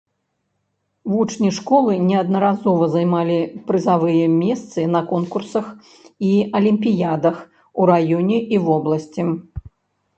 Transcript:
Вучні школы неаднаразова займалі прызавыя месцы на конкурсах і алімпіядах у раёне і вобласці.